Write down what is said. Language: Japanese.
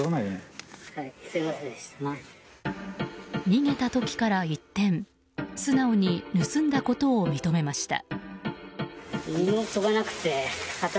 逃げた時から一転素直に盗んだことを認めました。